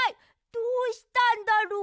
どうしたんだろう？